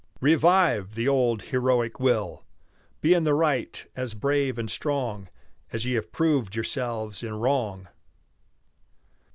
Revive the old heroic will; Be in the right as brave and strong As ye have proved yourselves in wrong.